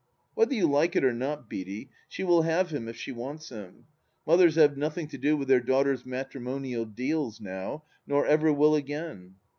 " Whether you like it or not, Beaty, she will have him it she wants him. Mothers have nothing to do with their daughters' matrimonial deals now, nor ever will again."